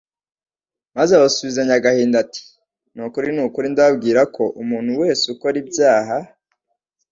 maze abasubizanya agahinda ati : "Ni ukuri n'ukuri ndababwira ko umuntu wese ukora ibyaha,